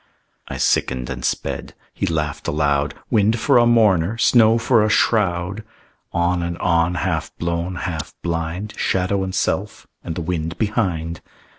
I sickened and sped. He laughed aloud, "Wind for a mourner, snow for a shroud!" On and on, half blown, half blind, Shadow and self, and the wind behind!